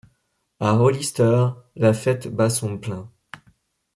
À Hollister, la fête bat son plein.